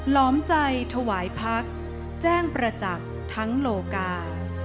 ล้อมใจถวายพักแจ้งประจักษ์ทั้งโลกา